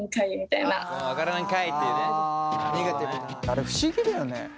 あれ不思議だよね。